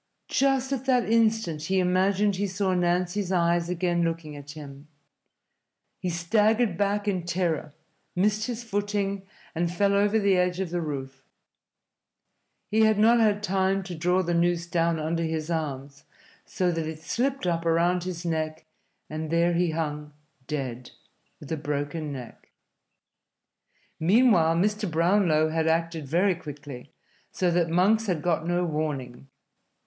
Just at that instant he imagined he saw Nancy's eyes again looking at him. He staggered back in terror, missed his footing, and fell over the edge of the roof. He had not had time to draw the noose down under his arms, so that it slipped up around his neck, and there he hung, dead, with a broken neck. Meanwhile Mr. Brownlow had acted very quickly, so that Monks had got no warning.